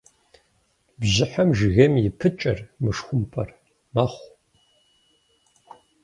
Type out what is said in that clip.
Бжьыхьэм жыгейм и пыкӏэр, мышхумпӏэр, мэхъу.